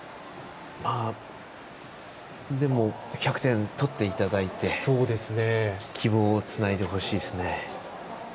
でも１００点取っていただいて希望をつないでほしいですね。